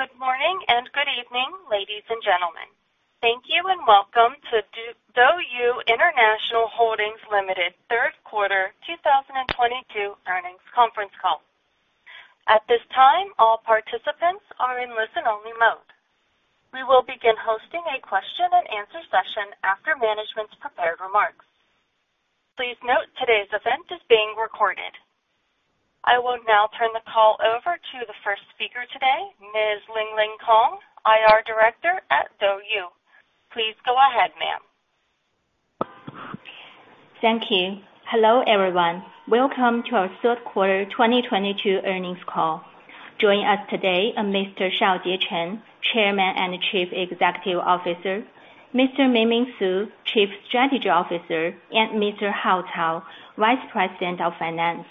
Good morning and good evening, ladies and gentlemen. Thank you and welcome to DouYu International Holdings Limited third quarter 2022 earnings conference call. At this time, all participants are in listen-only mode. We will begin hosting a question and answer session after management's prepared remarks. Please note today's event is being recorded. I will now turn the call over to the first speaker today, Ms. Lingling Kong, IR director at DouYu. Please go ahead, ma'am. Thank you. Hello, everyone. Welcome to our Third Quarter 2022 Earnings Call. Joining us today are Mr. Shaojie Chen, Chairman and Chief Executive Officer, Mr. Mingming Su, Chief Strategy Officer, and Mr. Hao Cao, Vice President of Finance.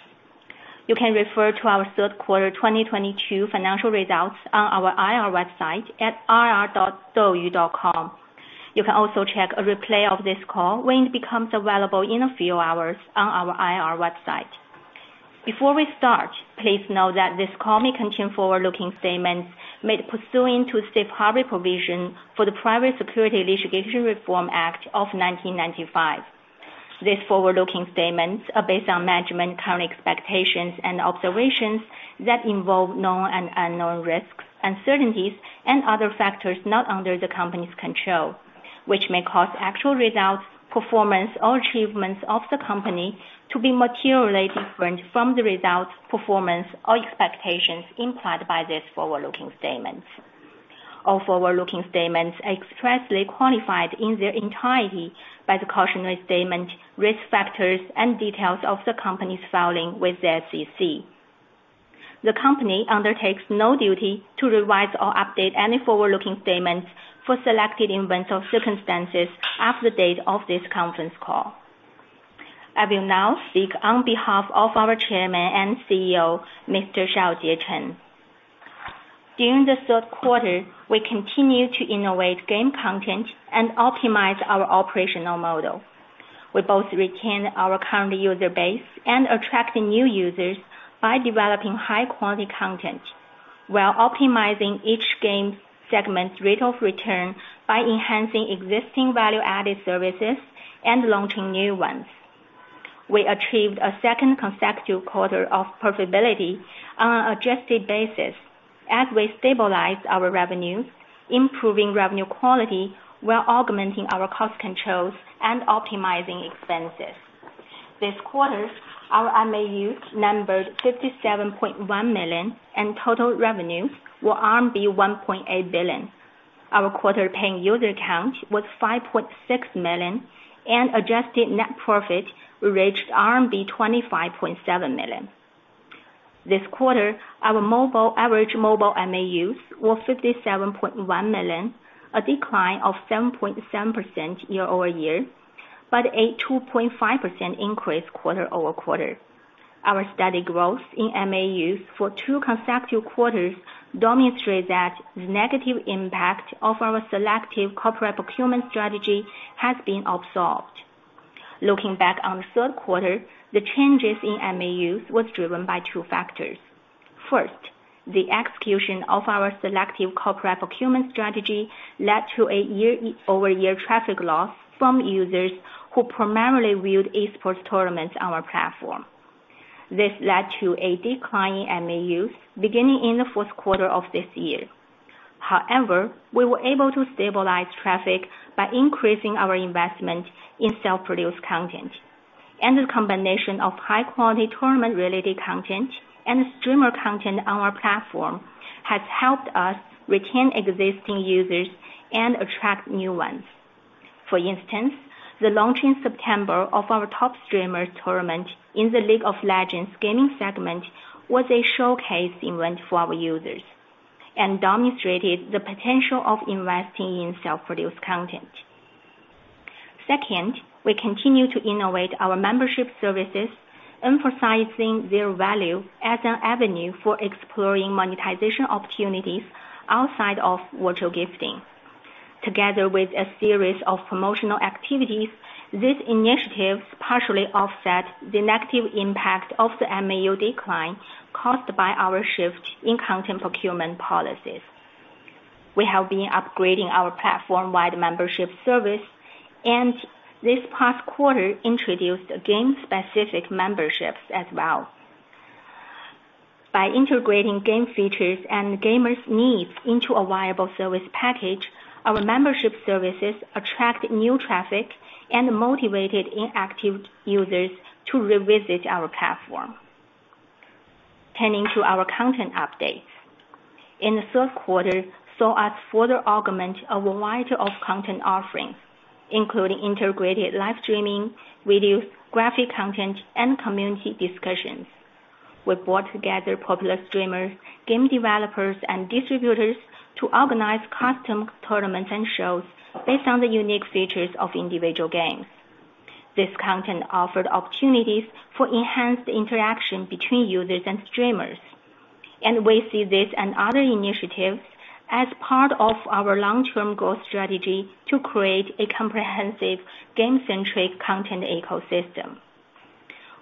You can refer to our third quarter 2022 financial results on our IR website at ir.douyu.com. You can also check a replay of this call when it becomes available in a few hours on our IR website. Before we start, please know that this call may contain forward-looking statements made pursuant to safe harbor provision for the Private Securities Litigation Reform Act of 1995. These forward-looking statements are based on management current expectations and observations that involve known and unknown risks, uncertainties, and other factors not under the company's control, which may cause actual results, performance, or achievements of the company to be materially different from the results, performance, or expectations implied by these forward-looking statements. All forward-looking statements are expressly qualified in their entirety by the cautionary statement, risk factors, and details of the company's filing with the SEC. The company undertakes no duty to revise or update any forward-looking statements for selected events or circumstances after the date of this conference call. I will now speak on behalf of our Chairman and CEO, Mr. Shaojie Chen. During the third quarter, we continued to innovate game content and optimize our operational model. We both retain our current user base and attract new users by developing high-quality content while optimizing each game segment's rate of return by enhancing existing value-added services and launching new ones. We achieved a second consecutive quarter of profitability on an adjusted basis as we stabilized our revenues, improving revenue quality while augmenting our cost controls and optimizing expenses. This quarter, our MAUs numbered 57.1 million, and total revenues were 1.8 billion. Our quarter paying user count was 5.6 million, and adjusted net profit reached RMB 25.7 million. This quarter, our average mobile MAUs was 57.1 million, a decline of 7.7% year-over-year, but a 2.5% increase quarter-over-quarter. Our steady growth in MAUs for two consecutive quarters demonstrate that the negative impact of our selective corporate procurement strategy has been absorbed. Looking back on the 3rd quarter, the changes in MAUs was driven by two factors. First, the execution of our selective corporate procurement strategy led to a year-over-year traffic loss from users who primarily viewed e-sports tournaments on our platform. This led to a decline in MAUs beginning in the 4th quarter of this year. However, we were able to stabilize traffic by increasing our investment in self-produced content. The combination of high-quality tournament-related content and streamer content on our platform has helped us retain existing users and attract new ones. For instance, the launch in September of our top streamers tournament in the League of Legends gaming segment was a showcase event for our users, and demonstrated the potential of investing in self-produced content. Second, we continue to innovate our membership services, emphasizing their value as an avenue for exploring monetization opportunities outside of virtual gifting. Together with a series of promotional activities, these initiatives partially offset the negative impact of the MAU decline caused by our shift in content procurement policies. We have been upgrading our platform-wide membership service, and this past quarter introduced game-specific memberships as well. By integrating game features and gamers' needs into a viable service package, our membership services attract new traffic and motivated inactive users to revisit our platform. Turning to our content updates. In the third quarter, saw us further augment a variety of content offerings, including integrated live streaming, videos, graphic content, and community discussions. We brought together popular streamers, game developers, and distributors to organize custom tournaments and shows based on the unique features of individual games. This content offered opportunities for enhanced interaction between users and streamers. We see this and other initiatives as part of our long-term growth strategy to create a comprehensive game-centric content ecosystem.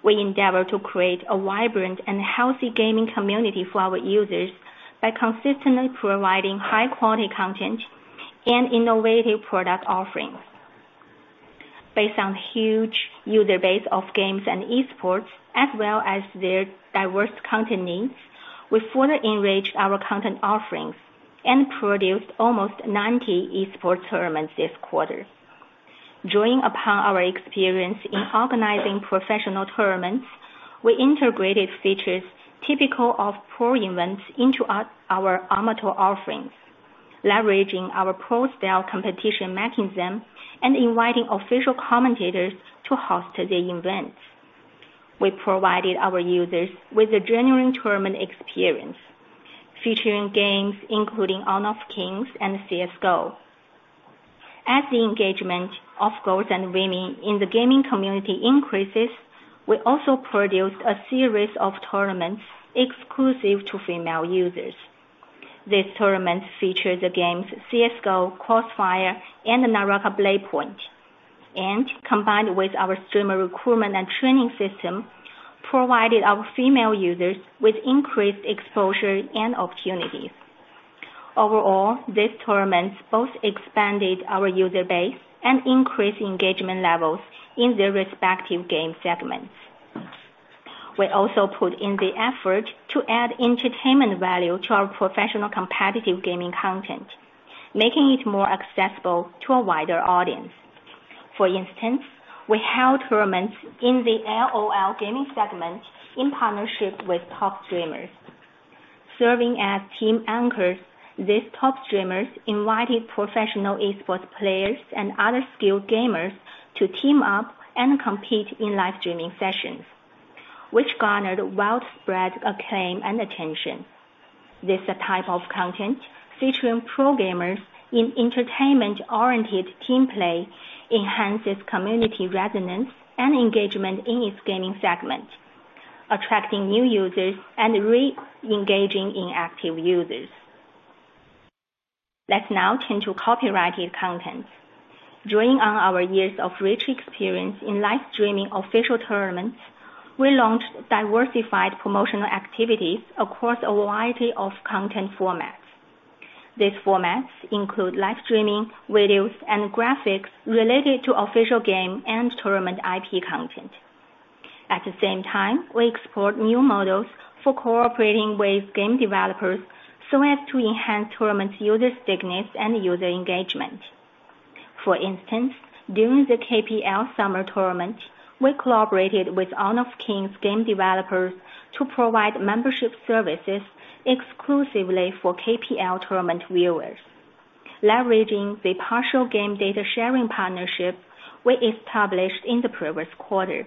We endeavor to create a vibrant and healthy gaming community for our users by consistently providing high-quality content and innovative product offerings. Based on huge user base of games and esports, as well as their diverse content needs, we fully enrich our content offerings. We produced almost 90 esports tournaments this quarter. Drawing upon our experience in organizing professional tournaments, we integrated features typical of pro events into our amateur offerings, leveraging our pro-style competition matching them, and inviting official commentators to host the events. We provided our users with a genuine tournament experience, featuring games including Honor of Kings and CS:GO. As the engagement of girls and women in the gaming community increases, we also produced a series of tournaments exclusive to female users. These tournaments featured the games CS:GO, CROSSFIRE, and NARAKA: BLADEPOINT, and combined with our streamer recruitment and training system, provided our female users with increased exposure and opportunities. Overall, these tournaments both expanded our user base and increased engagement levels in their respective game segments. We also put in the effort to add entertainment value to our professional competitive gaming content, making it more accessible to a wider audience. For instance, we held tournaments in the LOL gaming segment in partnership with top streamers. Serving as team anchors, these top streamers invited professional esports players and other skilled gamers to team up and compete in live streaming sessions, which garnered widespread acclaim and attention. This type of content featuring pro gamers in entertainment-oriented team play enhances community resonance and engagement in its gaming segment, attracting new users and re-engaging inactive users. Let's now turn to copyrighted content. Drawing on our years of rich experience in live streaming official tournaments, we launched diversified promotional activities across a variety of content formats. These formats include live streaming, videos, and graphics related to official game and tournament IP content. At the same time, we explored new models for cooperating with game developers, so as to enhance tournament user stickiness and user engagement. For instance, during the KPL summer tournament, we collaborated with Honor of Kings game developers to provide membership services exclusively for KPL tournament viewers. Leveraging the partial game data sharing partnership we established in the previous quarter.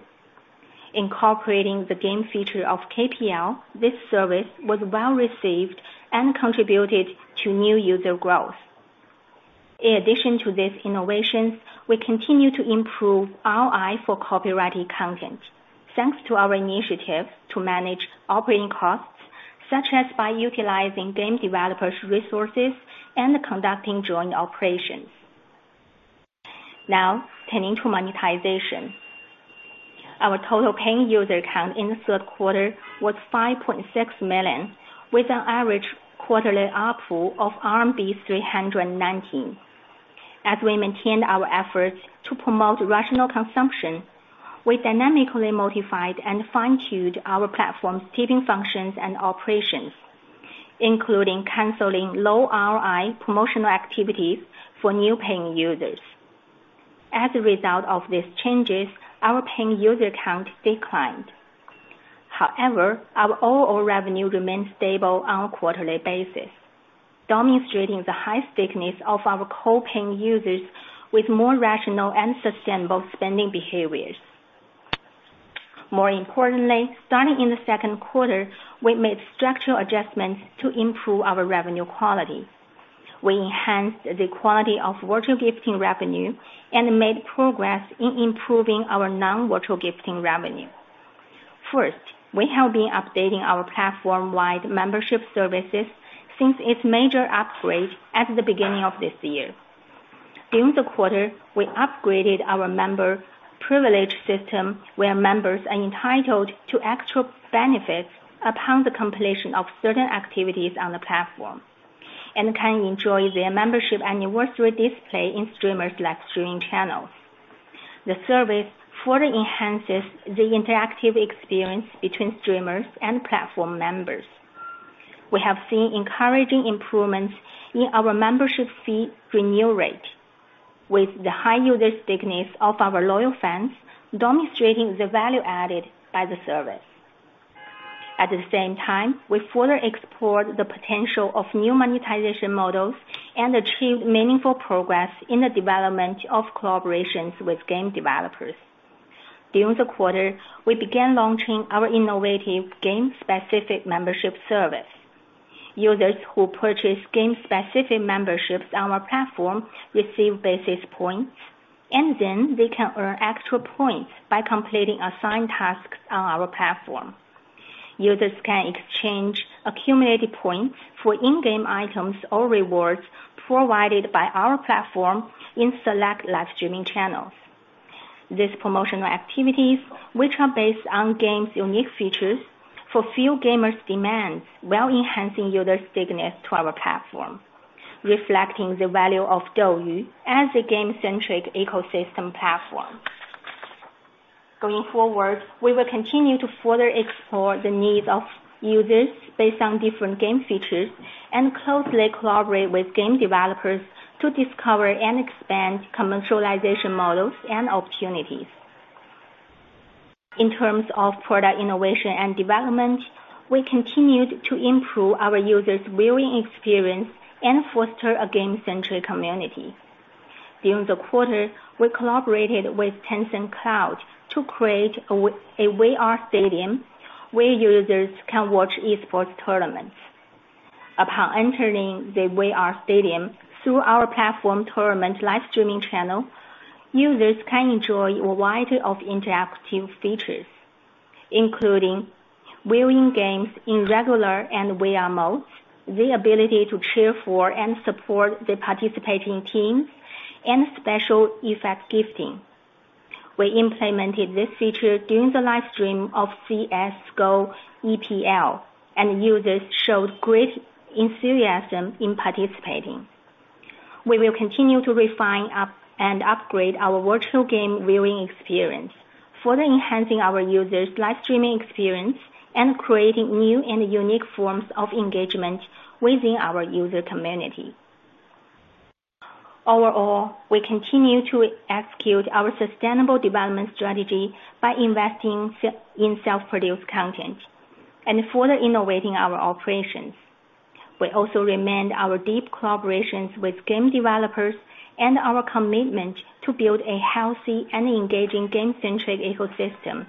Incorporating the game feature of KPL, this service was well-received and contributed to new user growth. In addition to these innovations, we continue to improve ROI for copyrighted content, thanks to our initiative to manage operating costs, such as by utilizing game developers' resources and conducting joint operations. Now, turning to monetization. Our total paying user count in the third quarter was 5.6 million, with an average quarterly ARPU of RMB 319. As we maintained our efforts to promote rational consumption, we dynamically modified and fine-tuned our platform's tipping functions and operations, including canceling low ROI promotional activities for new paying users. As a result of these changes, our paying user count declined. Our overall revenue remained stable on a quarterly basis, demonstrating the high stickiness of our core paying users with more rational and sustainable spending behaviors. More importantly, starting in the second quarter, we made structural adjustments to improve our revenue quality. We enhanced the quality of virtual gifting revenue and made progress in improving our non-virtual gifting revenue. First, we have been updating our platform-wide membership services since its major upgrade at the beginning of this year. During the quarter, we upgraded our member privilege system, where members are entitled to extra benefits upon the completion of certain activities on the platform, and can enjoy their membership anniversary display in streamers' live streaming channels. The service fully enhances the interactive experience between streamers and platform members. We have seen encouraging improvements in our membership fee renewal rate, with the high user stickiness of our loyal fans demonstrating the value added by the service. At the same time, we further explored the potential of new monetization models and achieved meaningful progress in the development of collaborations with game developers. During the quarter, we began launching our innovative game-specific membership service. Users who purchase game-specific memberships on our platform receive basis points, and then they can earn extra points by completing assigned tasks on our platform. Users can exchange accumulated points for in-game items or rewards provided by our platform in select live streaming channels. These promotional activities, which are based on game's unique features, fulfill gamers' demands while enhancing user stickiness to our platform, reflecting the value of DouYu as a game-centric ecosystem platform. Going forward, we will continue to further explore the needs of users based on different game features, and closely collaborate with game developers to discover and expand commercialization models and opportunities. In terms of product innovation and development, we continued to improve our users' viewing experience and foster a game-centric community. During the quarter, we collaborated with Tencent Cloud to create a VR stadium where users can watch e-sports tournaments. Upon entering the VR stadium through our platform tournament live streaming channel, users can enjoy a variety of interactive features, including viewing games in regular and VR modes, the ability to cheer for and support the participating teams, and special effect gifting. We implemented this feature during the live stream of CS:GO EPL. Users showed great enthusiasm in participating. We will continue to refine and upgrade our virtual game viewing experience, further enhancing our users' live streaming experience and creating new and unique forms of engagement within our user community. Overall, we continue to execute our sustainable development strategy by investing in self-produced content and further innovating our operations. We also remained our deep collaborations with game developers and our commitment to build a healthy and engaging game-centric ecosystem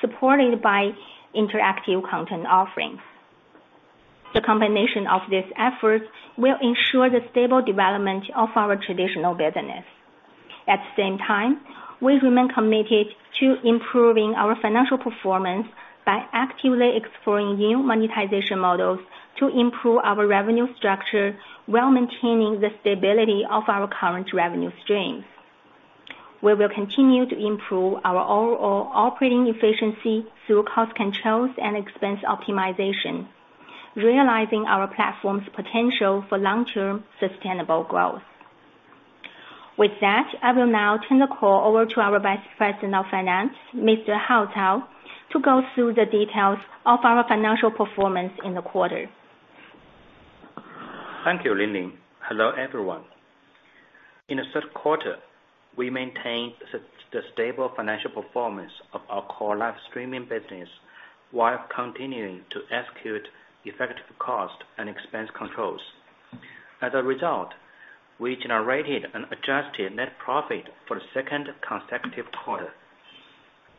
supported by interactive content offerings. The combination of these efforts will ensure the stable development of our traditional business. At the same time, we remain committed to improving our financial performance by actively exploring new monetization models to improve our revenue structure while maintaining the stability of our current revenue streams. We will continue to improve our overall operating efficiency through cost controls and expense optimization, realizing our platform's potential for long-term sustainable growth. With that, I will now turn the call over to our Vice President of Finance, Mr. Hao Cao, to go through the details of our financial performance in the quarter. Thank you, Lingling. Hello, everyone. In the third quarter, we maintained the stable financial performance of our core live streaming business while continuing to execute effective cost and expense controls. As a result, we generated an adjusted net profit for the second consecutive quarter.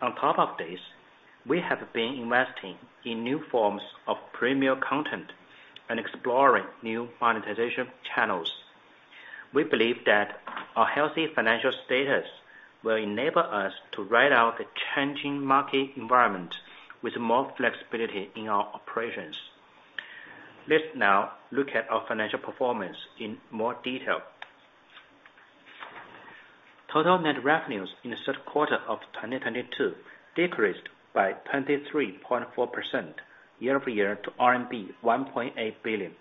On top of this, we have been investing in new forms of premier content and exploring new monetization channels. We believe that our healthy financial status will enable us to ride out the changing market environment with more flexibility in our operations. Let's now look at our financial performance in more detail. Total net revenues in the third quarter of 2022 decreased by 23.4% year-over-year to RMB 1.8 billion.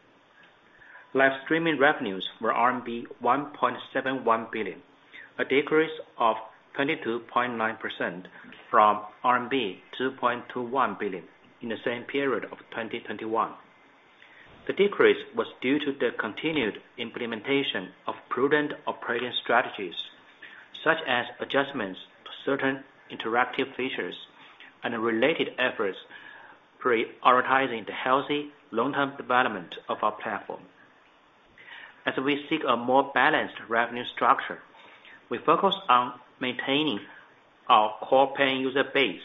Live streaming revenues were RMB 1.71 billion, a decrease of 22.9% from RMB 2.21 billion in the same period of 2021. The decrease was due to the continued implementation of prudent operating strategies, such as adjustments to certain interactive features and related efforts prioritizing the healthy long-term development of our platform. As we seek a more balanced revenue structure, we focus on maintaining our core paying user base.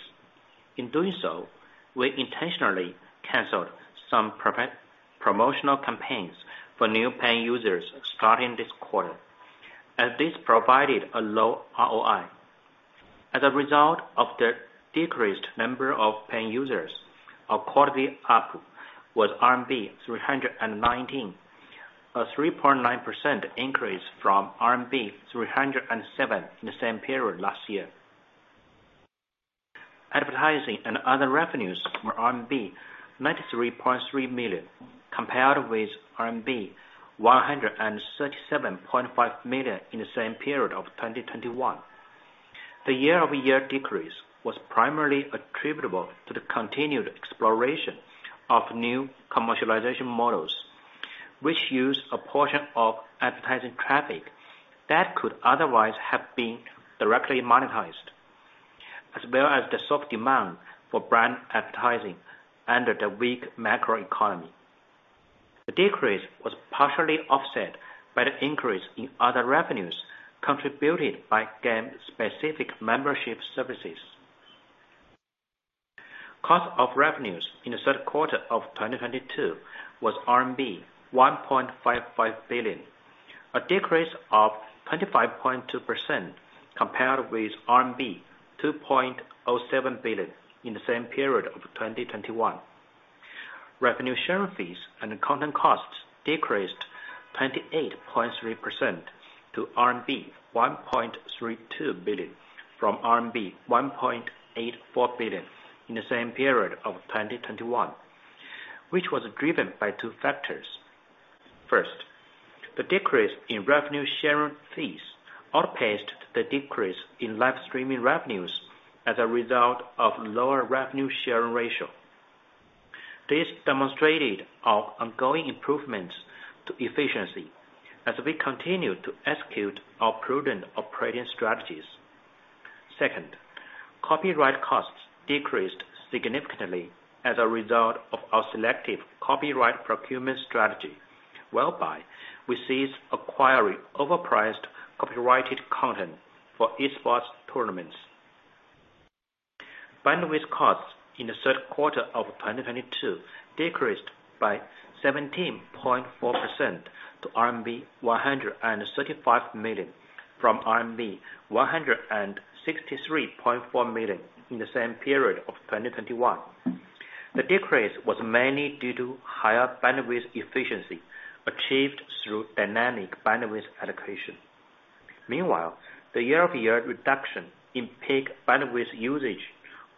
In doing so, we intentionally canceled some promotional campaigns for new paying users starting this quarter, as this provided a low ROI. As a result of the decreased number of paying users, our quarterly ARPU was RMB 319, a 3.9% increase from RMB 307 in the same period last year. Advertising and other revenues were RMB 93.3 million, compared with RMB 137.5 million in the same period of 2021. The year-over-year decrease was primarily attributable to the continued exploration of new commercialization models, which use a portion of advertising traffic that could otherwise have been directly monetized, as well as the soft demand for brand advertising under the weak macroeconomy. The decrease was partially offset by the increase in other revenues contributed by game-specific membership services. Cost of revenues in the third quarter of 2022 was RMB 1.55 billion. A decrease of 25.2% compared with RMB 2.07 billion in the same period of 2021. Revenue sharing fees and content costs decreased 28.3% to RMB 1.32 billion from RMB 1.84 billion in the same period of 2021, which was driven by two factors. First, the decrease in revenue sharing fees outpaced the decrease in live streaming revenues as a result of lower revenue sharing ratio. This demonstrated our ongoing improvements to efficiency as we continue to execute our prudent operating strategies. Second, copyright costs decreased significantly as a result of our selective copyright procurement strategy, whereby we ceased acquiring overpriced copyrighted content for esports tournaments. Bandwidth costs in the third quarter of 2022 decreased by 17.4% to RMB 135 million from RMB 163.4 million in the same period of 2021. The decrease was mainly due to higher bandwidth efficiency achieved through dynamic bandwidth allocation. The year-over-year reduction in peak bandwidth usage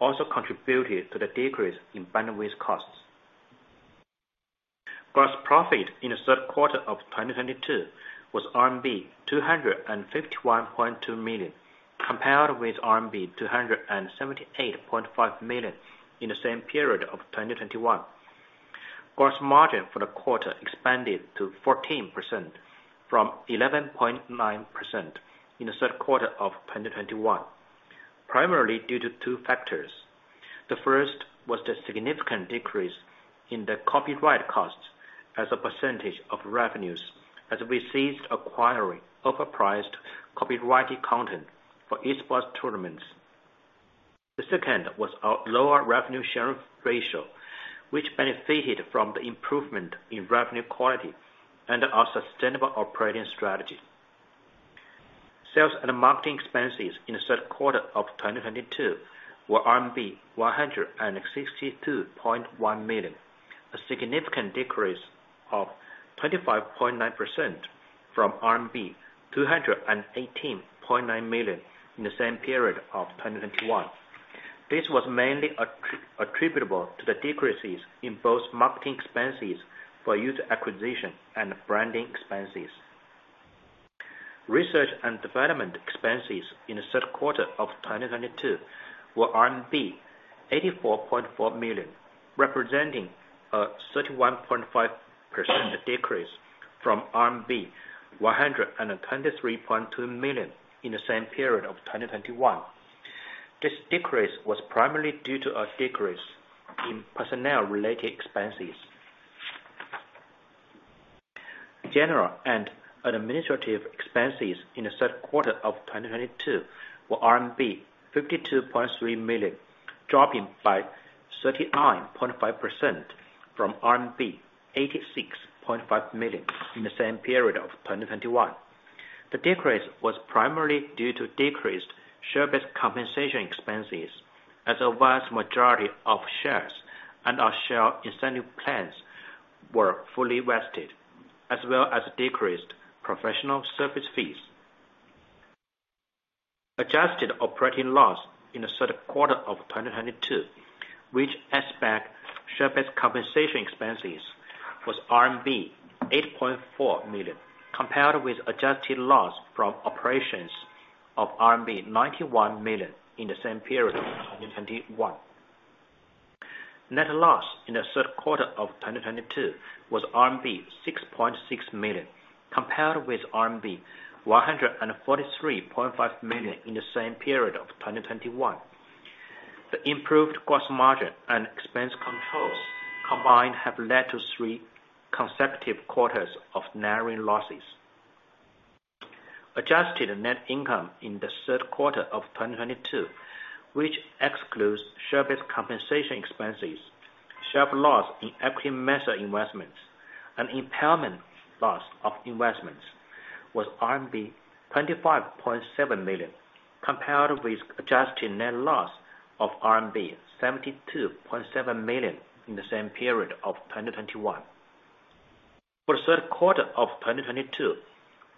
also contributed to the decrease in bandwidth costs. Gross profit in the third quarter of 2022 was RMB 251.2 million, compared with RMB 278.5 million in the same period of 2021. Gross margin for the quarter expanded to 14% from 11.9% in the third quarter of 2021, primarily due to two factors. The first was the significant decrease in the copyright costs as a percentage of revenues as we ceased acquiring overpriced copyrighted content for esports tournaments. The second was our lower revenue sharing ratio, which benefited from the improvement in revenue quality and our sustainable operating strategy. Sales and marketing expenses in the third quarter of 2022 were RMB 162.1 million, a significant decrease of 25.9% from 218.9 million RMB in the same period of 2021. This was mainly attributable to the decreases in both marketing expenses for user acquisition and branding expenses. Research and development expenses in the third quarter of 2022 were RMB 84.4 million, representing a 31.5% decrease from RMB 123.2 million in the same period of 2021. This decrease was primarily due to a decrease in personnel-related expenses. General and administrative expenses in the third quarter of 2022 were RMB 52.3 million, dropping by 39.5% from RMB 86.5 million in the same period of 2021. The decrease was primarily due to decreased share-based compensation expenses as a vast majority of shares and our share incentive plans were fully vested, as well as decreased professional service fees. Adjusted operating loss in the third quarter of 2022, which expect share-based compensation expenses, was RMB 8.4 million, compared with adjusted loss from operations of RMB 91 million in the same period of 2021. Net loss in the third quarter of 2022 was RMB 6.6 million, compared with RMB 143.5 million in the same period of 2021. The improved gross margin and expense controls combined have led to three consecutive quarters of narrowing losses. Adjusted net income in the third quarter of 2022, which excludes share-based compensation expenses, share of loss in equity method investments, and impairment loss of investments was RMB 25.7 million, compared with adjusted net loss of RMB 72.7 million in the same period of 2021. For the third quarter of 2022,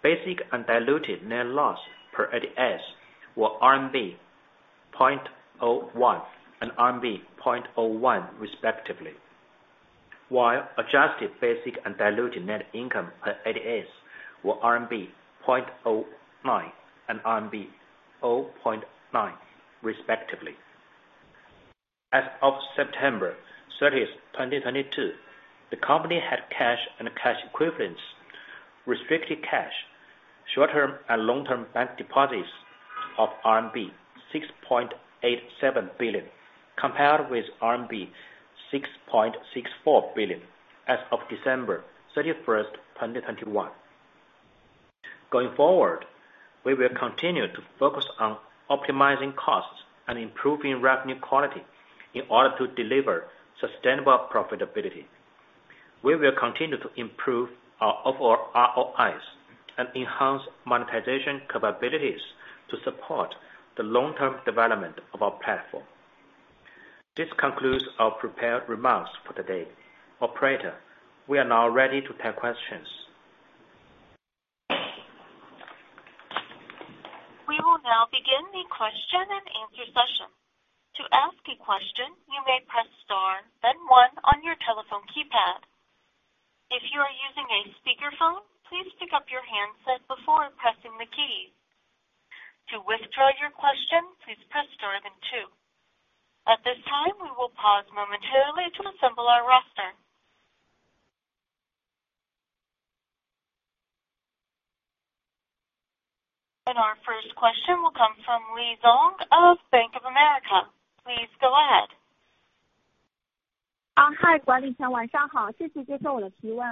basic and diluted net loss per ADS were RMB 0.01 and RMB 0.01 respectively. While adjusted basic and diluted net income per ADS were RMB 0.09 and RMB 0.09 respectively. As of September 30, 2022, the company had cash and cash equivalents, restricted cash, short-term and long-term bank deposits of RMB 6.87 billion, compared with RMB 6.64 billion as of December 31, 2021. Going forward. We will continue to focus on optimizing costs and improving revenue quality in order to deliver sustainable profitability. We will continue to improve our overall ROIs and enhance monetization capabilities to support the long-term development of our platform. This concludes our prepared remarks for the day. Operator, we are now ready to take questions. We will now begin the question and answer session. To ask a question, you may press star then one on your telephone keypad. If you are using a speakerphone, please pick up your handset before pressing the key. To withdraw your question, please press star then two. At this time, we will pause momentarily to assemble our roster. Our first question will come from Lei Zhang of Bank of America. Please go ahead. hi 冠 逸， 晚上好。谢谢接受我的提问。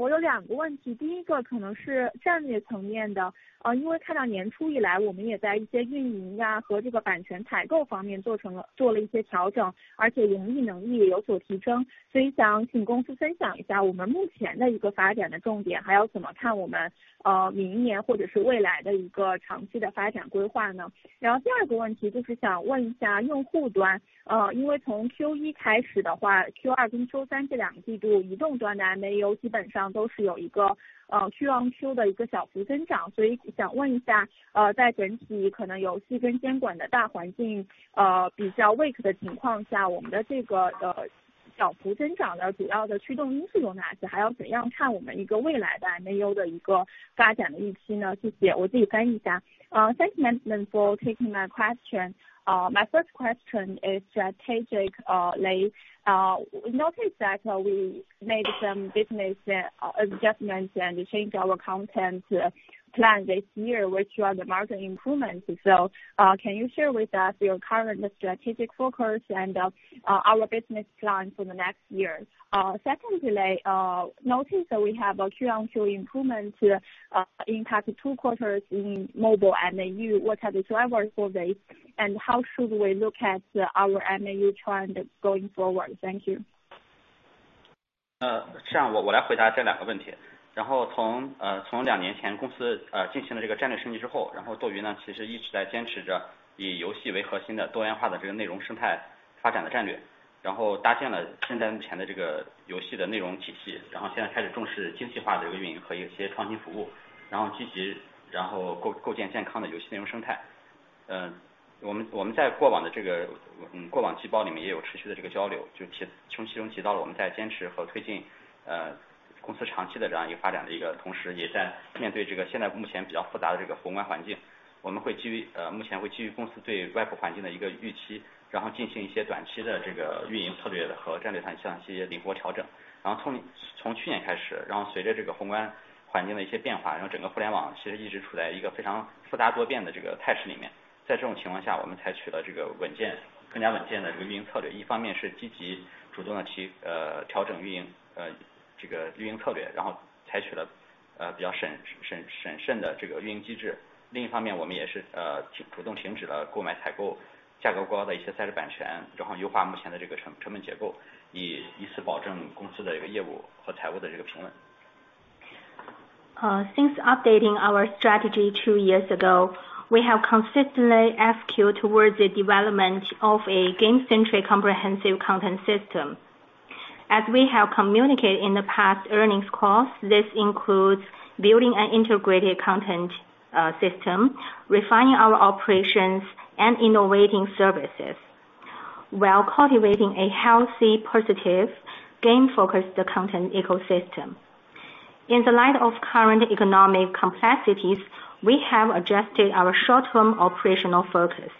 我有2个问 题， 1st 可能是战略层面的，因为看到年初以来我们也在一些运营呀和这个版权采购方面做了一些调 整， 而且盈利能力也有所提 升， 所以想请公司分享一下我们目前的一个发展的重 点， 还要怎么看我们明年或者是未来的一个长期的发展规划 呢？ 2nd 个问题就是想问一下用户 端， 因为从 Q1 开始的 话， Q2 跟 Q3 这2个季度移动端的 MAU 基本上都是有一个 Q on Q 的一个小幅增长。所以想问一 下， 在整体可能游戏跟监管的大环境比较 weak 的情况 下， 我们的这个小幅增长的主要的驱动因素有哪 些， 还要怎样看我们一个未来的 MAU 的一个发展的预期 呢？ 谢谢。我自己翻译一下。thanks management for taking my question. My first question is strategic. Li, we noticed that we made some business adjustments and changed our content plan this year, which were the market improvements. Can you share with us your current strategic focus and our business plan for the next year? Secondly, notice that we have a Q on Q improvement in past two quarters in mobile MAU. What are the drivers for this? How should we look at our MAU trend going forward? Thank you. 呃， 这样 我， 我来回答这两个问题。然后 从， 呃， 从两年前公 司， 呃， 进行了这个战略升级之 后， 然后斗鱼 呢， 其实一直在坚持着以游戏为核心的多元化的这个内容生态发展的战 略， 然后搭建了现在目前的这个游戏的内容体 系， 然后现在开始重视精细化的运营和一些创新服 务， 然后积 极， 然后 构， 构建健康的游戏内容生态。嗯， 我 们， 我们在过往的这 个， 过， 过往季报里面也有持续的这个交 流， 就 提， 其中提到了我们在坚持和推 进， 呃，公司长期的这样一个发展的一个同 时， 也在面对这个现在目前比较复杂的这个宏观环 境， 我们会基 于， 呃， 目前会基于公司对外部环境的一个预 期， 然后进行一些短期的这个运营策略和战略上进行一些灵活调整。然后 从， 从去年开 始， 然后随着这个宏观环境的一些变 化， 然后整个互联网其实一直处在一个非常复杂多变的这个态势里 面， 在这种情况 下， 我们采取了这个稳 健， 更加稳健的这个运营策 略， 一方面是积极主动地 提， 呃， 调整运 营， 呃， 这个运营策 略， 然后采取 了， 呃， 比较 审， 审， 审， 审慎的这个运营机制。另一方 面， 我们也 是， 呃， 停， 主动停止了购买采购价格高的一些赛道版 权， 然后优化目前的这个 成， 成本结 构， 以以此保证公司的一个业务和财务的这个平稳。Since updating our strategy two years ago, we have consistently executed towards the development of a game-centric comprehensive content system. As we have communicated in the past earnings calls, this includes building an integrated content system, refining our operations, and innovating services while cultivating a healthy, positive game-focused content ecosystem. In the light of current economic complexities, we have adjusted our short-term operational focus.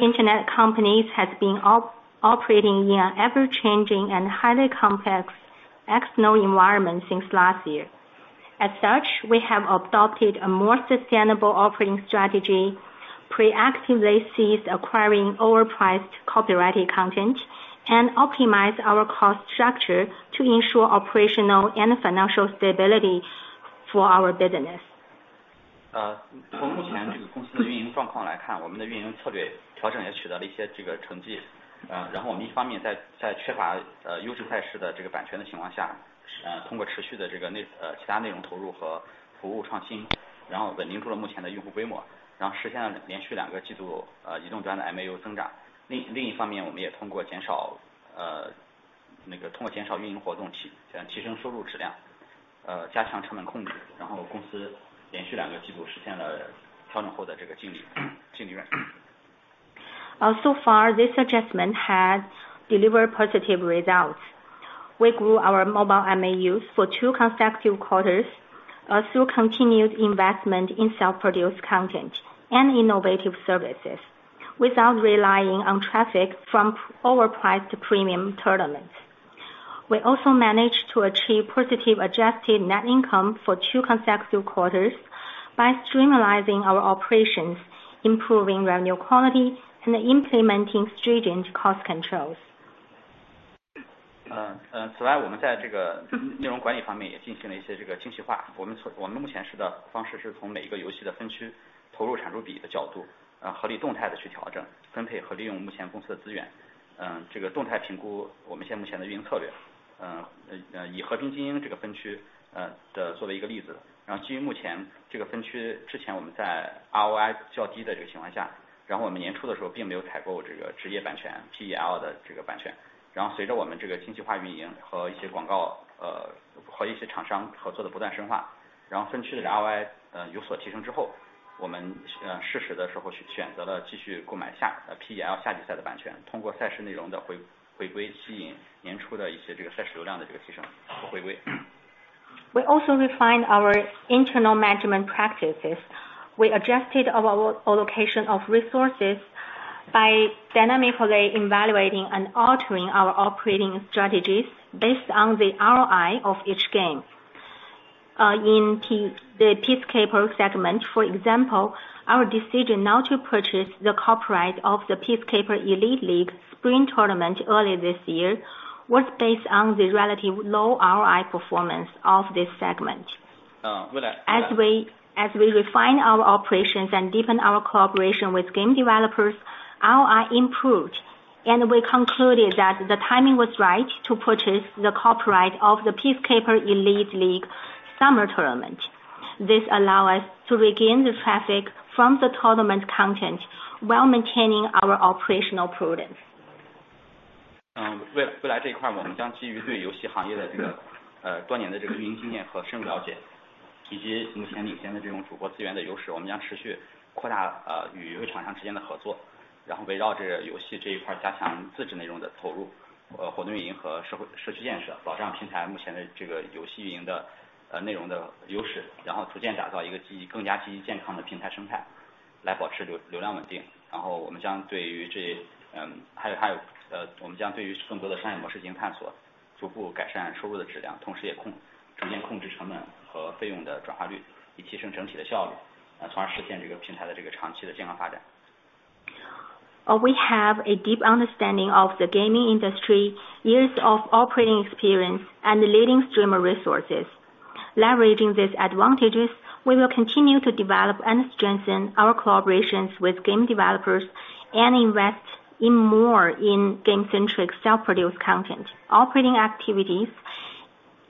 Internet companies has been operating in an ever-changing and highly complex external environment since last year. As such, we have adopted a more sustainable operating strategy, proactively ceased acquiring overpriced copyrighted content, and optimized our cost structure to ensure operational and financial stability for our business. 从目前这个公司的运营状况来 看， 我们的运营策略调整也取得了一些这个成绩。我们一方面在缺乏优质赛事的这个版权的情况 下， 通过持续的这个其他内容投入和服务创 新， 然后稳定住了目前的用户规 模， 然后实现了连续 2个季度 移动端的 MAU 增长。另一方 面， 我们也通过减少运营活 动， 提升收入质 量， 加强成本控 制， 然后公司连续 2个季度 实现了调整后的这个净利润。So far, this adjustment has delivered positive results. We grew our mobile MAUs for two consecutive quarters through continued investment in self-produced content and innovative services without relying on traffic from overpriced premium tournaments. We also managed to achieve positive adjusted net income for two consecutive quarters by streamlining our operations, improving revenue quality, and implementing stringent cost controls. 此 外， 我们在这个内容管理方面也进行了一些这个精细化。我们目前是的方式是从每一个游戏的分区投入产出比的角 度， 合理动态地去调 整， 分配和利用目前公司的资 源， 这个动态评估我们目前的运营策略。以 Game for Peace 这个分区的作为一个例 子， 然后基于目前这个分 区， 之前我们在 ROI 较低的这个情况 下， 然后我们年初的时候并没有采购这个职业版权 PEL 的这个版 权， 然后随着我们这个精细化运营和一些广 告， 和一些厂商合作的不断深 化， 然后分区的 ROI 有所提升之 后， 我们适时的时候选择了继续购买下 ，PEL 下季赛的版 权， 通过赛事内容的回归吸引年初的一些这个赛事流量的这个提升和回归。We also refined our internal management practices. We adjusted our allocation of resources by dynamically evaluating and altering our operating strategies based on the ROI of each game. In the Peacekeeper segment, for example, our decision not to purchase the copyright of the Peacekeeper Elite League Spring Tournament early this year was based on the relatively low ROI performance of this segment. 未来 As we refine our operations and deepen our cooperation with game developers, ROI improved, and we concluded that the timing was right to purchase the copyright of the Peacekeeper Elite League Summer Tournament. This allow us to regain the traffic from the tournament content while maintaining our operational prudence. 未来这一 块， 我们将基于对游戏行业的这个多年的这个运营经验和深入 了解， 以及目前领先的这种主播资源的 优势， 我们将持续扩大与游戏厂商之间的 合作， 然后围绕着游戏这一 块， 加强自制内容的 投入， 活动运营和社区 建设， 保障平台目前的这个游戏运营的内容的 优势， 然后逐渐打造一个 积极， 更加积极健康的平台 生态， 来保持流量稳定。我们将对于更多的商业模式进行探 索， 逐步改善收入的质 量， 同时逐渐控制成本和费用的转化 率， 以提升整体的效 率， 从而实现这个平台的这个长期的健康发展。We have a deep understanding of the gaming industry, years of operating experience, and leading stream resources. Leveraging these advantages, we will continue to develop and strengthen our collaborations with game developers and invest in more in game-centric, self-produced content, operating activities,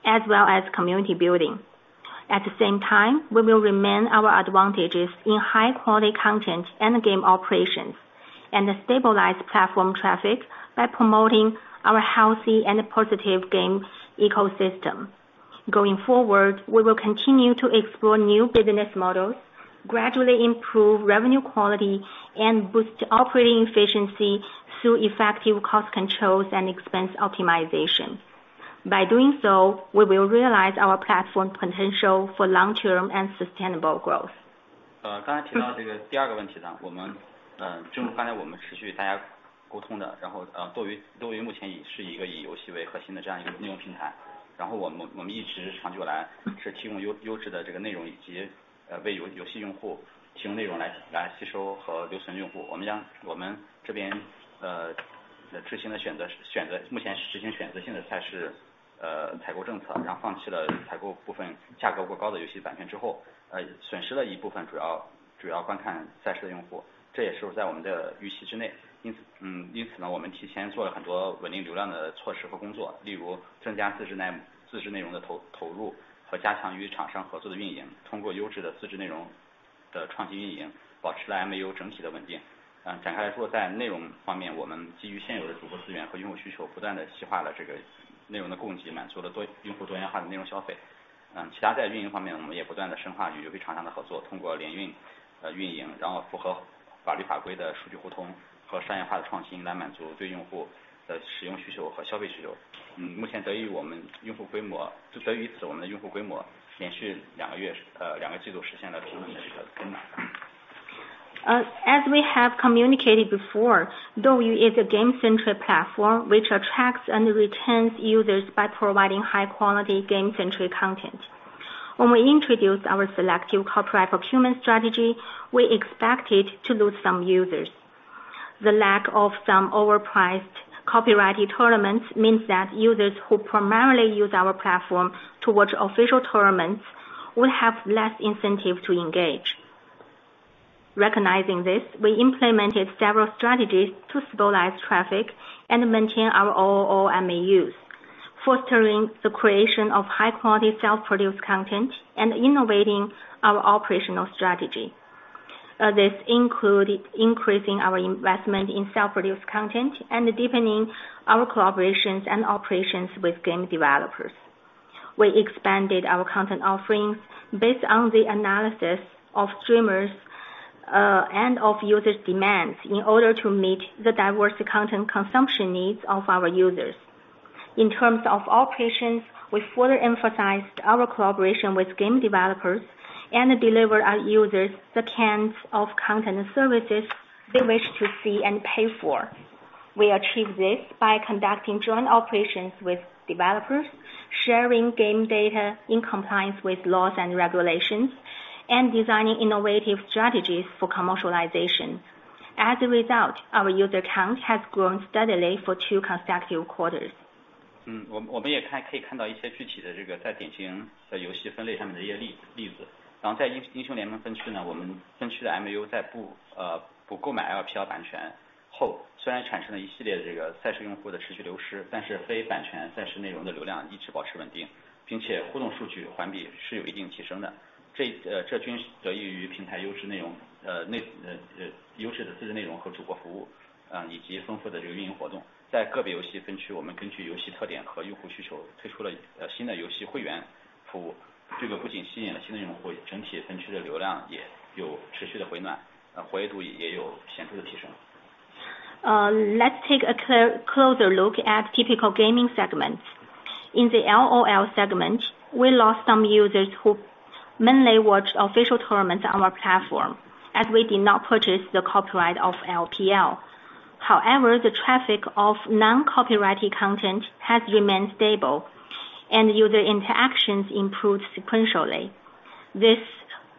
as well as community building. At the same time, we will remain our advantages in high-quality content and game operations, and stabilize platform traffic by promoting our healthy and positive game ecosystem. Going forward, we will continue to explore new business models, gradually improve revenue quality, and boost operating efficiency through effective cost controls and expense optimization. By doing so, we will realize our platform potential for long-term and sustainable growth. 呃， 刚才提到这个第二个问题 呢， 我 们， 嗯， 就是刚才我们持续大家沟通 的， 然 后， 呃， 斗 鱼， 斗鱼目前也是一个以游戏为核心的这样一个内容平 台， 然后我 们， 我们一直长久来是提供优-优质的这个内 容， 以 及， 呃， 为游-游戏用户提供内容 来， 来吸收和留存用户。我们将我们这 边， 呃， 的之前的选 择， 选 择， 目前实行选择性的赛 事， 呃， 采购政 策， 然后放弃了采购部分价格过高的游戏版权之 后， 呃， 损失了一部分主 要， 主要观看赛事的用 户， 这也是在我们的预期之内。因 此， 嗯， 因此 呢， 我们提前做了很多稳定流量的措施和工 作， 例如增加自制 内， 自制内容的投-投入和加强与厂商合作的运营。通过优质的自制内容的创新运 营， 保持了 MAU 整体的稳定。啊， 展开说在内容方 面， 我们基于现有的主播资源和用户需 求， 不断地细化了这个内容的供 给， 满足了 多， 用户多元化的内容消费。嗯， 其他在运营方 面， 我们也不断地深化与游戏厂商的合 作， 通过联 运， 呃， 运 营， 然后符合法律法规的数据互通和商业化的创 新， 来满足对用户的使用需求和消费需求。嗯， 目前得益于我们用户规 模， 得益于 此， 我们的用户规模连续两个 月， 呃， 两个季度实现了平稳的这个增长。As we have communicated before, DouYu is a game-centric platform which attracts and retains users by providing high quality, game-centric content. When we introduced our selective copyright procurement strategy, we expected to lose some users. The lack of some overpriced copyrighted tournaments means that users who primarily use our platform to watch official tournaments will have less incentive to engage. Recognizing this, we implemented several strategies to stabilize traffic and maintain our overall MAUs, fostering the creation of high quality self-produced content and innovating our operational strategy. This included increasing our investment in self-produced content and deepening our collaborations and operations with game developers. We expanded our content offerings based on the analysis of streamers and of users demands in order to meet the diverse content consumption needs of our users. In terms of operations, we further emphasized our collaboration with game developers and deliver our users the kinds of content and services they wish to see and pay for. We achieve this by conducting joint operations with developers, sharing game data in compliance with laws and regulations, and designing innovative strategies for commercialization. As a result, our user count has grown steadily for two consecutive quarters. Let's take a closer look at typical gaming segments. In the LOL segment, we lost some users who mainly watched official tournaments on our platform as we did not purchase the copyright of LPL. The traffic of non-copyrighted content has remained stable, and user interactions improved sequentially. This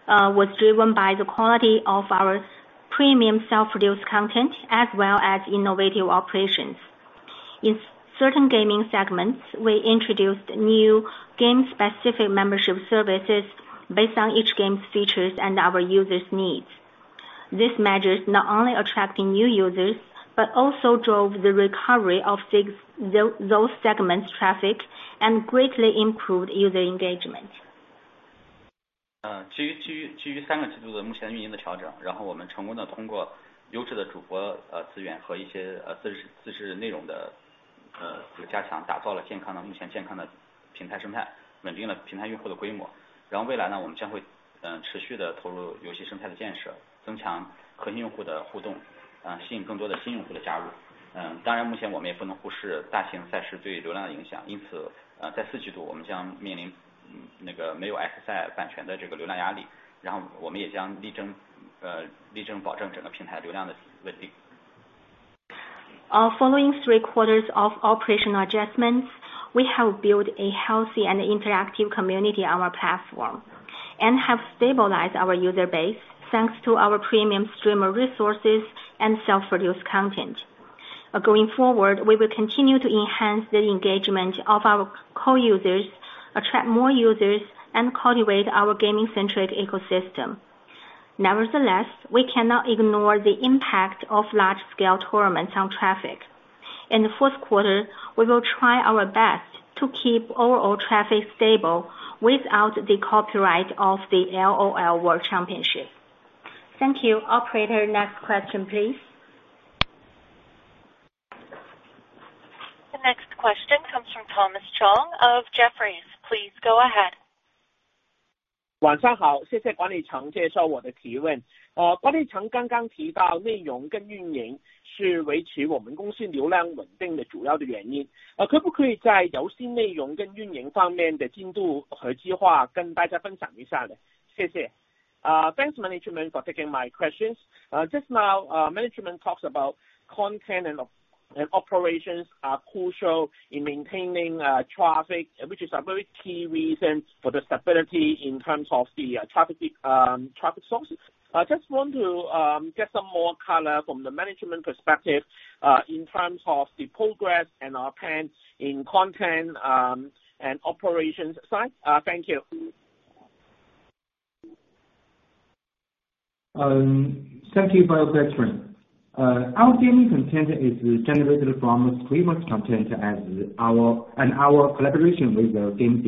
was driven by the quality of our premium self-produced content, as well as innovative operations. In certain gaming segments, we introduced new game-specific membership services based on each game's features and our users' needs. These measures not only attracting new users, but also drove the recovery of those segments' traffic, and greatly improved user engagement. Following three quarters of operational adjustments, we have built a healthy and interactive community on our platform, and have stabilized our user base, thanks to our premium stream of resources and self-produced content. Going forward, we will continue to enhance the engagement of our core users, attract more users, and cultivate our gaming-centric ecosystem. Nevertheless, we cannot ignore the impact of large-scale tournaments on traffic. In the fourth quarter, we will try our best to keep overall traffic stable without the copyright of the LOL World Championship. Thank you. Operator, next question please. The next question comes from Thomas Chong of Jefferies. Please go ahead. Thanks management for taking my questions. Just now, management talks about content and operations are crucial in maintaining traffic, which is a very key reason for the stability in terms of the traffic sources. I just want to get some more color from the management perspective, in terms of the progress and our plans in content, and operations side. Thank you. Thank you for your question. Our gaming content is generated from streamers' content and our collaboration with the game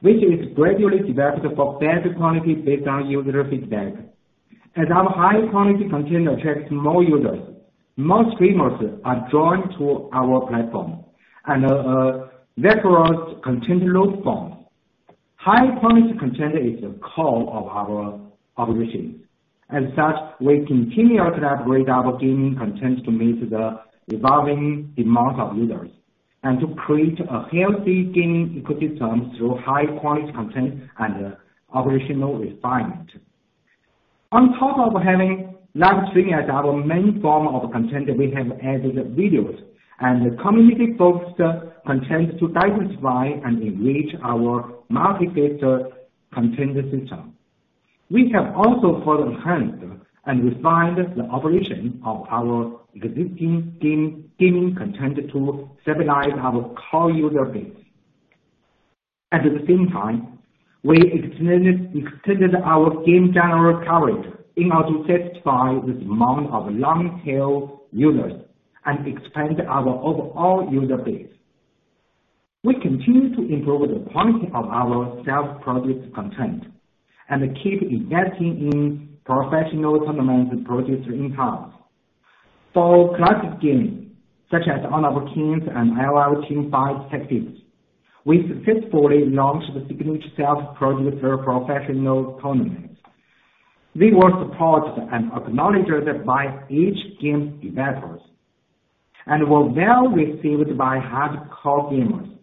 developers, which is gradually developed for better quality based on user feedback. As our high-quality content attracts more users, more streamers are drawn to our platform and leverage content load forms. High-quality content is the core of our operations. As such, we continue to upgrade our gaming content to meet the evolving demands of users, and to create a healthy gaming ecosystem through high-quality content and operational refinement. On top of having live streaming as our main form of content, we have added videos and community poster content to diversify and enrich our multifaceted content system. We have also further enhanced and refined the operation of our existing gaming content to stabilize our core user base. At the same time, we extended our game genre coverage in order to satisfy the demand of long-tail users and expand our overall user base. We continue to improve the quality of our self-produced content and keep investing in professional tournament producers in-house. For classic games, such as Honor of Kings and LOL Teamfight Tactics, we successfully launched the signature self-producer professional tournaments. We were supported and acknowledged by each game's developers, and were well received by hardcore gamers.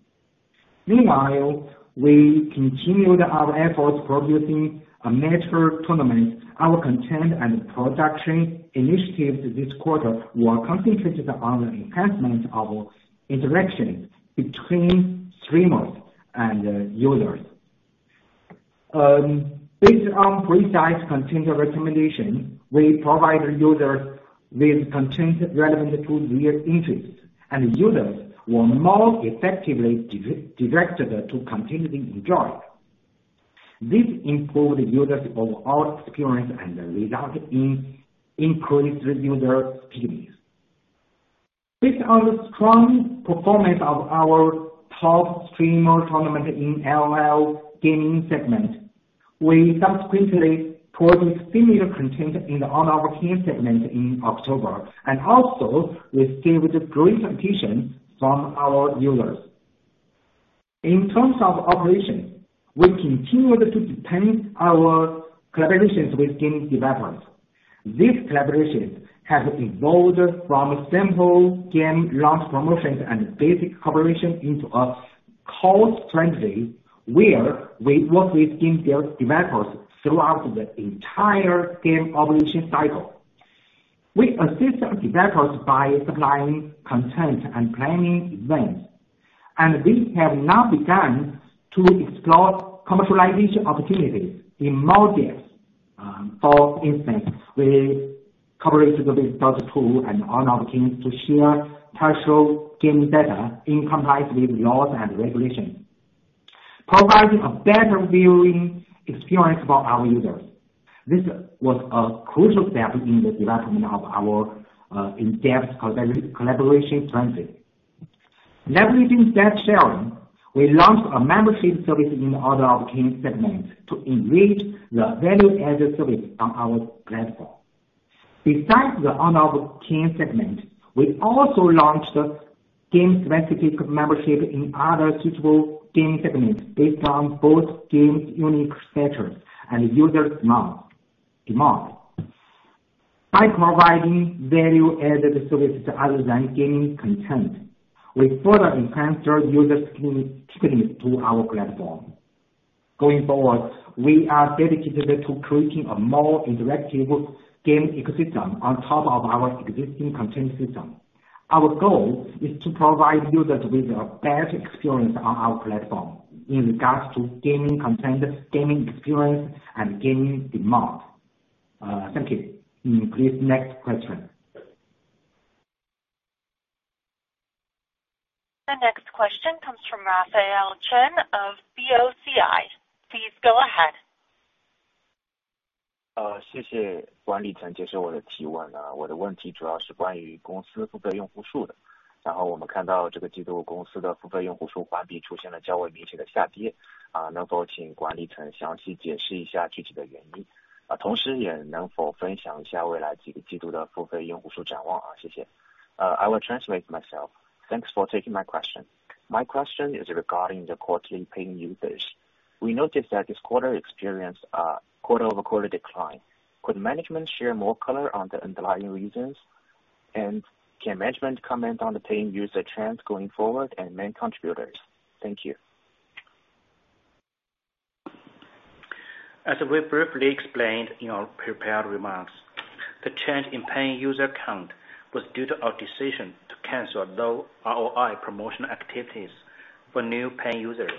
Meanwhile, we continued our efforts producing a major tournament. Our content and production initiatives this quarter were concentrated on the enhancement of interactions between streamers and users. Based on precise content recommendation, we provide users with content relevant to their interests, and users were more effectively directed to continue to enjoy. This improved users of our experience and resulted in increased user stickiness. Based on the strong performance of our top streamer tournament in LOL gaming segment, we subsequently produced similar content in the Honor of Kings segment in October, and also received great reception from our users. In terms of operations, we continued to deepen our collaborations with gaming developers. These collaborations have evolved from simple game launch promotions and basic cooperation into a close strategy where we work with game developers throughout the entire game operation cycle. We assist the developers by supplying content and planning events, and we have now begun to explore commercialization opportunities in more games. For instance, we collaborated with Dota 2 and Honor of Kings to share partial game data in compliance with laws and regulations, providing a better viewing experience for our users. This was a crucial step in the development of our in-depth collaboration strategy. Leveraging that sharing, we launched a membership service in Honor of Kings segment to enrich the value-added service on our platform. Besides the Honor of Kings segment, we also launched game-specific membership in other suitable game segments based on both game's unique features and user's demand. By providing value-added services other than gaming content, we further enhanced user stickiness to our platform. Going forward, we are dedicated to creating a more interactive game ecosystem on top of our existing content system. Our goal is to provide users with a better experience on our platform in regards to gaming content, gaming experience, and gaming demand. Thank you. Please, next question. The next question comes from Raphael Chen of BOCI. Please go ahead. I will translate myself. Thanks for taking my question. My question is regarding the quarterly paying users. We noticed that this quarter experienced a quarter-over-quarter decline. Could management share more color on the underlying reasons? Can management comment on the paying user trends going forward and main contributors? Thank you. As we briefly explained in our prepared remarks, the change in paying user count was due to our decision to cancel low ROI promotional activities for new paying users.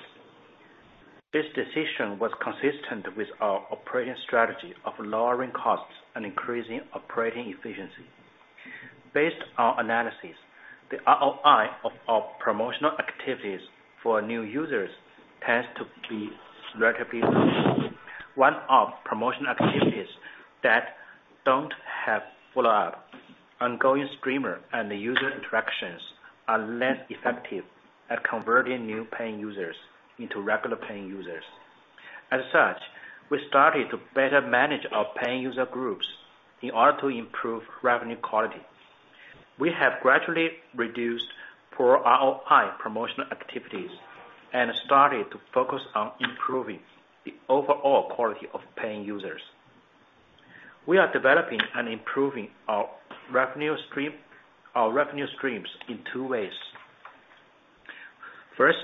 This decision was consistent with our operating strategy of lowering costs and increasing operating efficiency. Based on analysis, the ROI of our promotional activities for new users tends to be relatively low. One-off promotion activities that don't have follow-up ongoing streamer and user interactions are less effective at converting new paying users into regular paying users. As such, we started to better manage our paying user groups in order to improve revenue quality. We have gradually reduced poor ROI promotional activities and started to focus on improving the overall quality of paying users. We are developing and improving our revenue streams in two ways. First,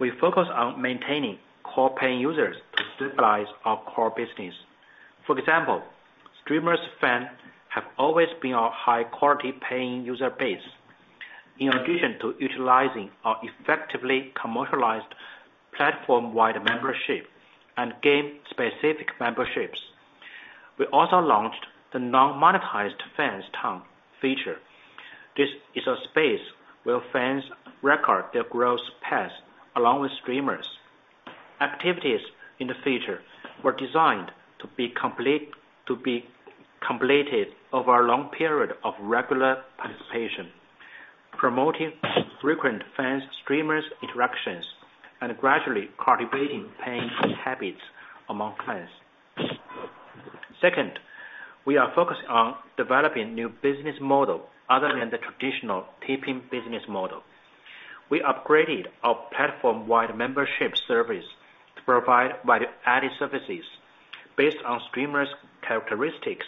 we focus on maintaining core paying users to stabilize our core business. For example, streamers fans have always been our high quality paying user base. In addition to utilizing our effectively commercialized platform-wide membership and game-specific memberships, we also launched the non-monetized Fans Town feature. This is a space where fans record their growth paths along with streamers. Activities in the feature were designed to be completed over a long period of regular participation, promoting frequent fans, streamers interactions, and gradually cultivating paying habits among fans. Second, we are focused on developing new business model other than the traditional tipping business model. We upgraded our platform-wide membership service to provide value-added services based on streamers characteristics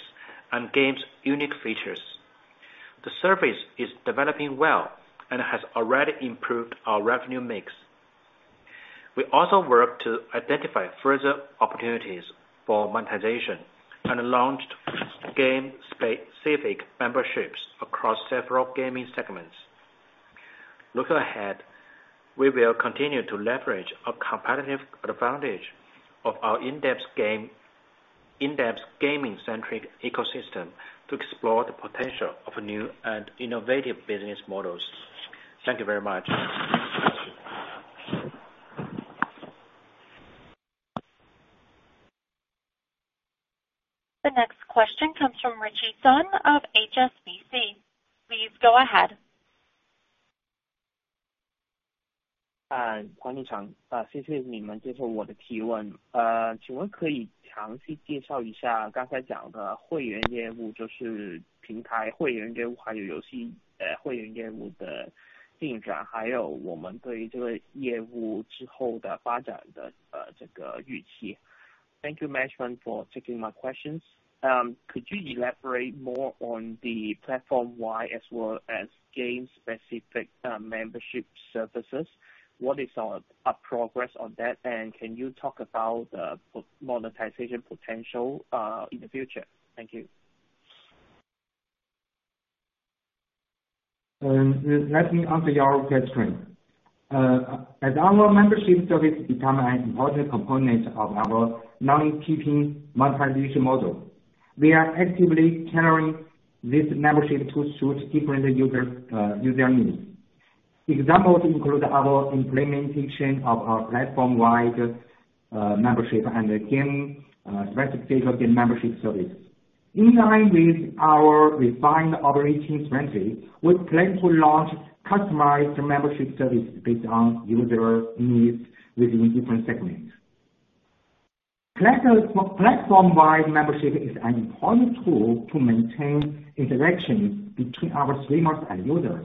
and games unique features. The service is developing well and has already improved our revenue mix. We also worked to identify further opportunities for monetization and launched game-specific memberships across several gaming segments. Looking ahead, we will continue to leverage our competitive advantage of our in-depth game, in-depth gaming-centric ecosystem to explore the potential of new and innovative business models. Thank you very much. The next question comes from Ritchie Sun of HSBC. Please go ahead. Thank you management for taking my questions. Could you elaborate more on the platform wide as well as game specific membership services? What is our progress on that? Can you talk about monetization potential in the future? Thank you. Let me answer your question. As our membership service become an important component of our non-gaming monetization model, we are actively tailoring this membership to suit different user needs. Examples include our implementation of our platform wide membership and game specific game membership service. In line with our refined operating strategy, we plan to launch customized membership service based on user needs within different segments. Platform wide membership is an important tool to maintain interaction between our streamers and users.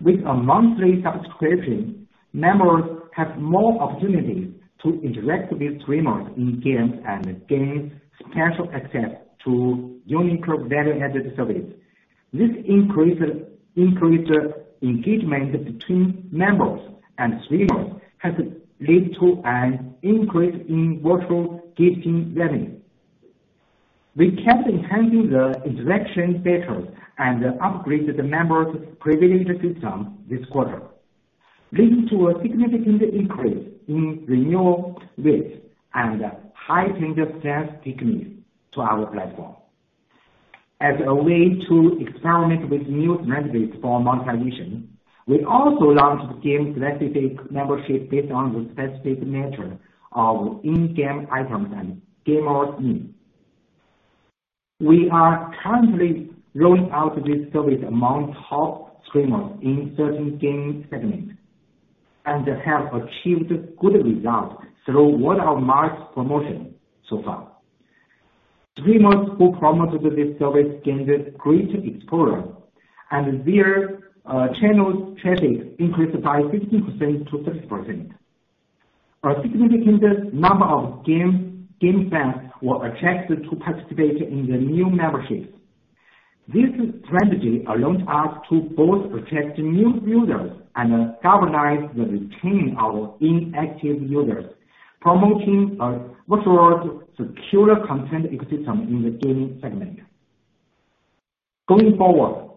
With a monthly subscription, members have more opportunities to interact with streamers in games and gain special access to unique value-added service. This increased engagement between members and streamers has lead to an increase in virtual gifting revenue. We kept enhancing the interaction features and upgraded the members privilege system this quarter, leading to a significant increase in renewal rates and heightened to our platform. As a way to experiment with new strategies for monetization, we also launched game-specific membership based on the specific nature of in-game items and gamer needs. We are currently rolling out this service among top streamers in certain game segments, and have achieved good results through well-marked promotion so far. Streamers who promoted this service gained great exposure, and their channels traffic increased by 15%-30%. A significant number of game fans were attracted to participate in the new memberships. This strategy allows us to both attract new users and galvanize the retaining our inactive users, promoting a virtual secure content ecosystem in the gaming segment. Going forward,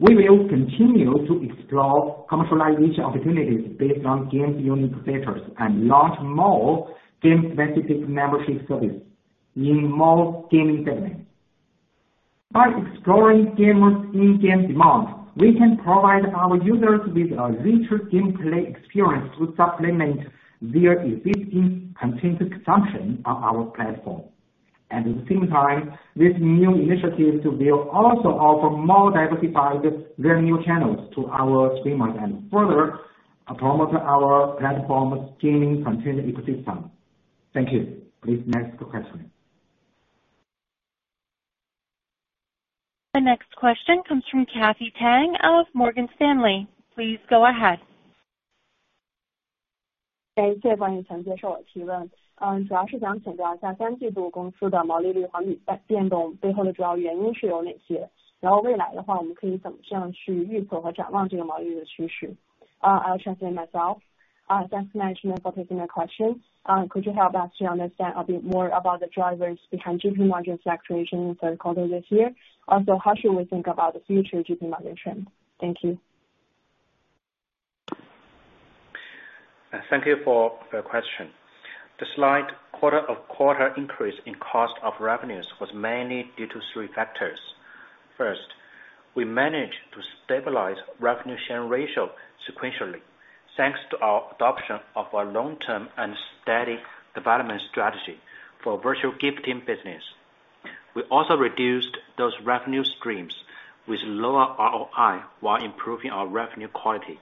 we will continue to explore commercialization opportunities based on games' unique features, and launch more game-specific membership service in more gaming segments. By exploring gamers' in-game demands, we can provide our users with a richer gameplay experience to supplement their existing content consumption on our platform. At the same time, this new initiatives will also offer more diversified revenue channels to our streamers, and further promote our platform's gaming content ecosystem. Thank you. Please next question. The next question comes from Cathy Lai of Morgan Stanley. Please go ahead. I'll translate myself. Thanks management for taking the question. Could you help us to understand a bit more about the drivers behind GP margin fluctuation in the quarter this year? How should we think about the future GP margin? Thank you. Thank you for the question. The slight quarter-over-quarter increase in cost of revenues was mainly due to three factors. First, we managed to stabilize revenue share ratio sequentially, thanks to our adoption of our long-term and steady development strategy for virtual gifting business. We also reduced those revenue streams with lower ROI while improving our revenue quality.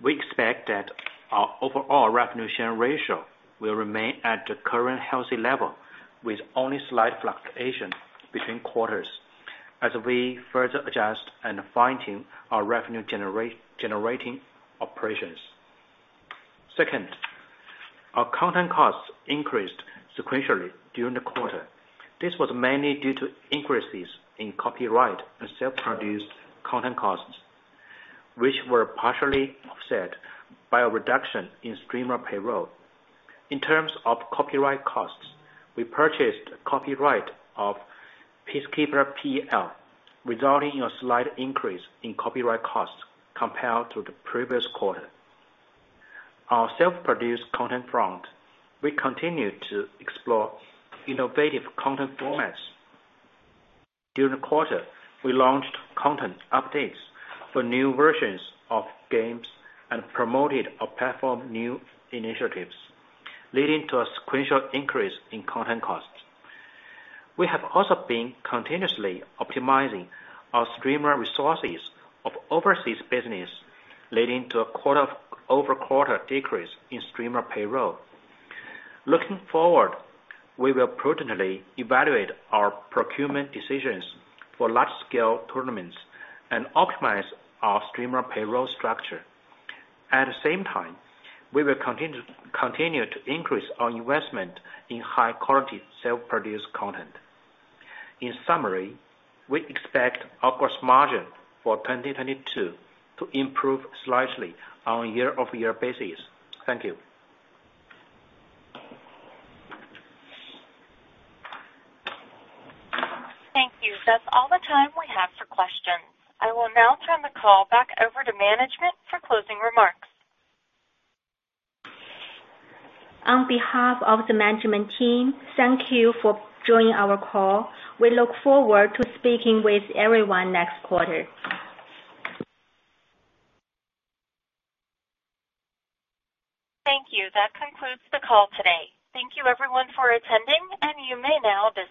We expect that our overall revenue share ratio will remain at the current healthy level with only slight fluctuation between quarters as we further adjust and fine-tune our revenue generating operations. Second, our content costs increased sequentially during the quarter. This was mainly due to increases in copyright and self-produced content costs, which were partially offset by a reduction in streamer payroll. In terms of copyright costs, we purchased copyright of Peacekeeper Elite League (PEL), resulting in a slight increase in copyright costs compared to the previous quarter. Our self-produced content front, we continue to explore innovative content formats. During the quarter, we launched content updates for new versions of games and promoted our platform new initiatives leading to a sequential increase in content costs. We have also been continuously optimizing our streamer resources of overseas business, leading to a quarter-over-quarter decrease in streamer payroll. Looking forward, we will prudently evaluate our procurement decisions for large scale tournaments and optimize our streamer payroll structure. At the same time, we will continue to increase our investment in high quality self-produced content. In summary, we expect operating margin for 2022 to improve slightly on year-over-year basis. Thank you. Thank you. That's all the time we have for questions. I will now turn the call back over to management for closing remarks. On behalf of the management team, thank you for joining our call. We look forward to speaking with everyone next quarter. Thank you. That concludes the call today. Thank you everyone for attending. You may now disconnect.